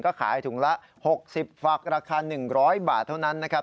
ก็ขายถุงละ๖๐ฝักราคา๑๐๐บาทเท่านั้นนะครับ